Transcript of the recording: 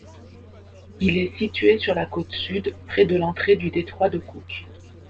Il est situé sur la côte sud près de l'entrée du détroit de Cook.